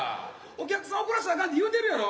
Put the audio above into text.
お客さん怒らせたらあかんって言うてるやろ？